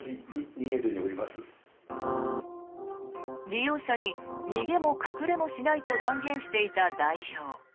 利用者に逃げも隠れもしないと断言していた代表。